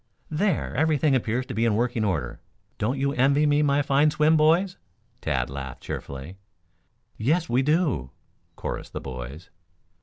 "There, everything appears to be in working order. Don't you envy me my fine swim, boys?" Tad laughed cheerfully. "Yes, we do," chorused the boys.